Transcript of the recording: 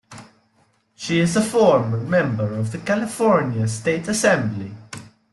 She is a former member of the California State Assembly.